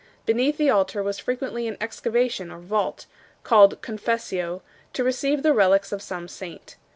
Beneath the altar was fre quently an excavation or vault called "confessio" to receive the relics of some saint.